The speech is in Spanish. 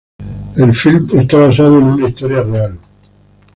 El filme está basado en una historia real.